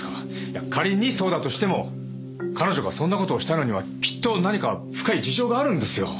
いや仮にそうだとしても彼女がそんな事をしたのにはきっと何か深い事情があるんですよ。